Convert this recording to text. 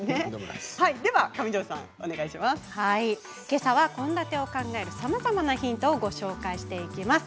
けさは献立を考えるさまざまなヒントを紹介していきます。